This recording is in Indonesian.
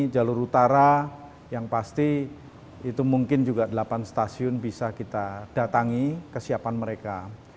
jalur utara yang pasti itu mungkin juga delapan stasiun bisa kita datangi kesiapan mereka